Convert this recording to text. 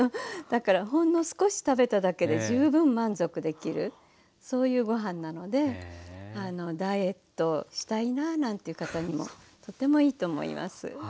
だからほんの少し食べただけで十分満足できるそういうご飯なのでダイエットしたいななんていう方にもとてもいいと思います。